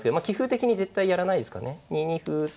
棋風的に絶対やらないですかね。